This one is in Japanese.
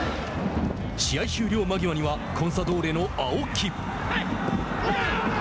試合終了間際にはコンサドーレの青木。